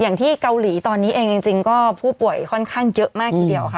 อย่างที่เกาหลีตอนนี้เองจริงก็ผู้ป่วยค่อนข้างเยอะมากทีเดียวค่ะ